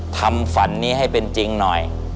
ทำฝันนี้ให้เป็นจริงหน่อย